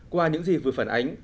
qua những gì vừa phản ánh